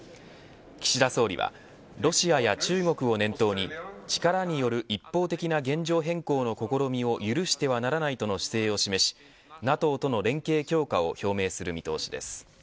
岸田総理はロシアや中国を念頭に力による一方的な現状変更の試みを許してはならないとの姿勢を示しＮＡＴＯとの連携強化を表明する見通しです。